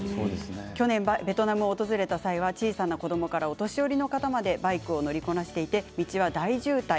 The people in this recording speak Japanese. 去年、ベトナムを訪れた際は小さな子どもからお年寄りの方までバイクを乗りこなしていて道は大渋滞。